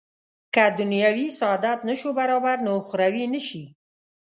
که دنیوي سعادت نه شو برابر نو اخروي نه شي.